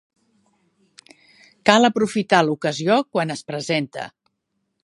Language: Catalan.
Cal aprofitar l'ocasió quan es presenta